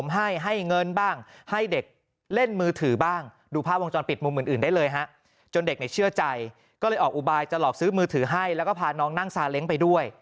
ให้แล้วก็พานองนั่งสาเล้งไปด้วย